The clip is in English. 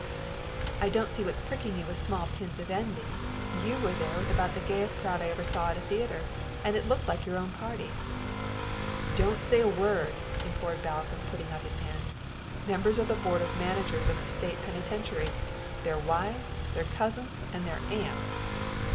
"I don't see what's pricking you with small pins of envy. You were there with about the gayest crowd I ever saw at a theater; and it looked like your own party." "Don't say a word," implored Balcomb, putting out his hand. "Members of the board of managers of the state penitentiary, their wives, their cousins and their aunts.